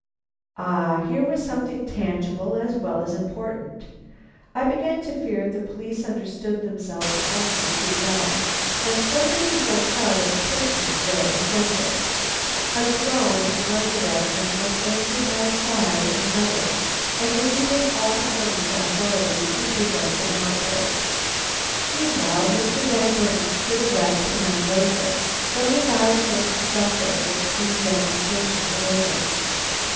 Ah! here was something tangible as well as important. I began to fear the police understood themselves only too well; and so did the whole crowd of persons there assembled. A groan in one direction was answered by a sigh in another, and it needed all the Coroner's authority to prevent an outbreak. Meanwhile Mr. Van Burnam stood erect and unwavering, though his eye showed the suffering which these demonstrations awakened.